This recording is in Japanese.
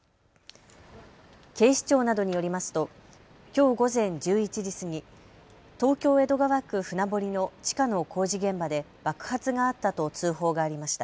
警視庁などによりますときょう午前１１時過ぎ、東京江戸川区船堀の地下の工事現場で爆発があったと通報がありました。